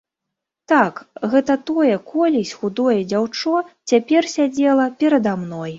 Так, гэта тое колісь худое дзяўчо цяпер сядзела перада мной.